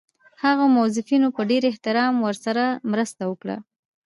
هغو موظفینو په ډېر احترام ورسره مرسته وکړه.